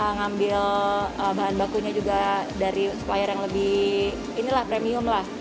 kita juga ngambil bahan bakunya juga dari supplier yang lebih premium